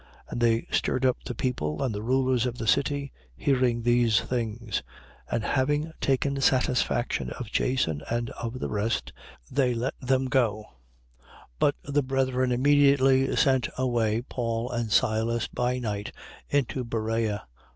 17:8. And they stirred up the people: and the rulers of the city, hearing these things, 17:9. And having taken satisfaction of Jason and of the rest, they let them go. 17:10. But the brethren immediately sent away Paul and Silas by night unto Berea.